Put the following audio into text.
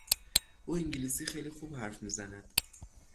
او انگلیسی خیلی خوب حرف میزند.